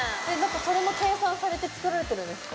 それも計算されて作られてるんですか？